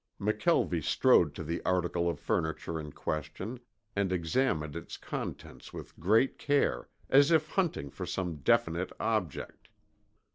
McKelvie strode to the article of furniture in question and examined its contents with great care, as if hunting for some definite object.